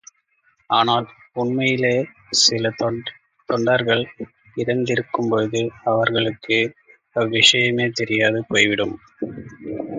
ஆனால் உண்மையிலேயே சில தொண்டர்கள் இறந்திருக்கும் பொழுது, அவர்களுக்கு அவ்விஷயமே தெரியாது போய்விடும்!